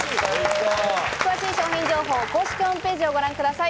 詳しい商品情報は公式ホームページをご覧ください。